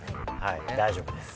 大丈夫です。